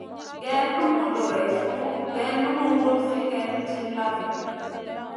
Geyn lumu doreissou geyn lumu wursi kayni tilla vi.